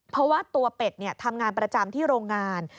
เพราะว่าตัวเป็ดทำงานประจำที่โรงงาน